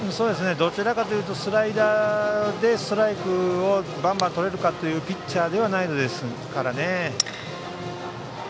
どちらかというとスライダーでストライクをバンバンとれるというピッチャーではないですね。